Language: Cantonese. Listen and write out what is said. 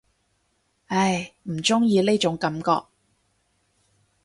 唉，唔中意呢種感覺